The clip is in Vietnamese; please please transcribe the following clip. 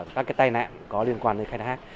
các cái tai nạn có liên quan đến khai thác